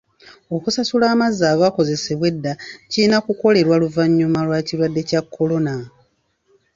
Okusasula amazzi agaakozesebwa edda kirina kukolerwa luvannyuma lw'ekirwadde ky'akawuka ka kolona.